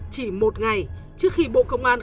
chỉ một ngày trước khi bộ công an